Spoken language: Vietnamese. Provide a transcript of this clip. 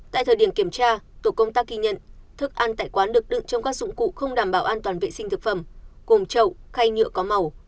tại thời điểm kiểm tra tổ công tác ghi nhận thức ăn tại quán được đựng trong các dụng cụ không đảm bảo an toàn vệ sinh thực phẩm gồm trậu hay nhựa có màu